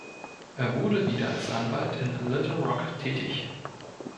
Er wurde wieder als Anwalt in Little Rock tätig.